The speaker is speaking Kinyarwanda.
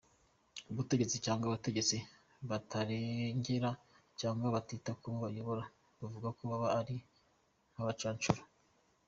Ubutegetsi cyangwa abategetsi batarengera cyangwa batita kubo bayobora twavuga ko baba ari nk’abacancuro !.